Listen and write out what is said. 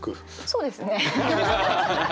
そうですね。